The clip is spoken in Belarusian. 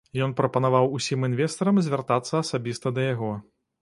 Ён прапанаваў усім інвестарам звяртацца асабіста да яго.